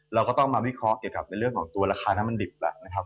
เราก็ต้องมาวิเคราะห์เกี่ยวกับในเรื่องของตัวราคาน้ำมันดิบแล้วนะครับ